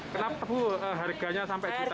kenapa harganya sampai juta